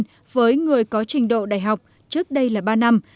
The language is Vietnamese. từ ba năm trở lên với người có trình độ đại học trước đây là ba năm